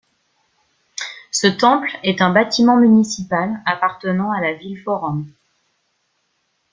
Ce temple est un bâtiment municipal appartenant à la ville forum.